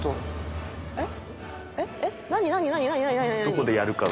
「どこでやるかが今」